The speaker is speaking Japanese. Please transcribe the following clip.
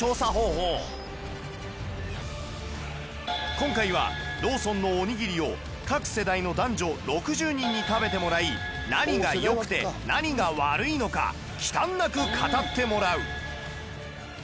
今回はローソンのおにぎりを各世代の男女６０人に食べてもらい何が良くて何が悪いのか忌憚なく語ってもらう